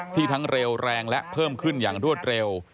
ทั้งเร็วแรงและเพิ่มขึ้นอย่างรวดเร็ว